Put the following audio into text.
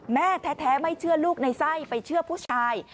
แม่แท้ไม่เชื่อลูกในไส้ไปเชื่อผู้ชาย